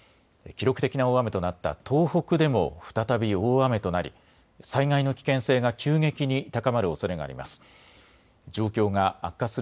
記録的な大雨となった東北でも再び大雨となり災害の危険性が急激に高まるおそれがあります。